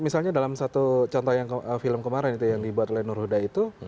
misalnya dalam satu contoh yang film kemarin itu yang dibuat oleh nur huda itu